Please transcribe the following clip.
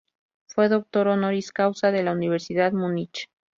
Fue "doctor honoris causa" de la Universidad de Múnich.